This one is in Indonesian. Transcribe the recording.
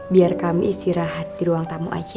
biar kami istirahat di ruang tamu aja